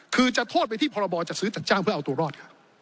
คือจะโทษไปที่พรบจัดซื้อจัดจ้างเพื่อเอาตัวรอด